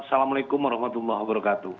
assalamualaikum warahmatullahi wabarakatuh